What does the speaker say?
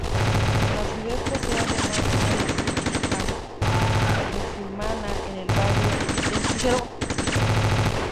La ciudad posee además una mezquita musulmana en el barrio del Crucero.